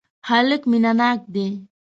هلک مینه ناک دی.